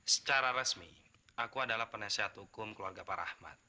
secara resmi aku adalah penasihat hukum keluarga pak rahmat